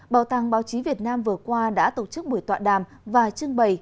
bảo tàng báo chí việt nam vừa qua đã tổ chức buổi tọa đàm và trưng bày